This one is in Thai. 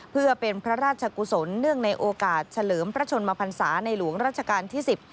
เพื่อเป็นพระราชกุศลเนื่องในโอกาสเฉลิมพระชนมพันศาในหลวงราชการที่๑๐